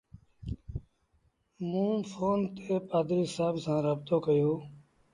موݩ ڦون تي پآڌريٚ سآب سآݩ رآبتو ڪيو۔